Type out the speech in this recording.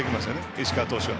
石川投手は。